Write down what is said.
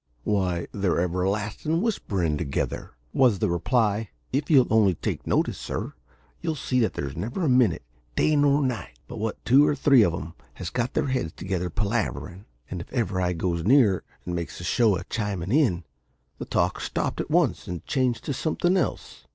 "Why, they're everlastin'ly whispering together," was the reply. "If you'll only take notice, sir, you'll see that there's never a minute, day nor night, but what two or three of 'em has got their heads together, palaverin'. And if ever I goes near and makes a show of chimin' in, the talk's stopped at once and changed to something else.